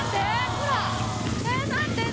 ・ほら！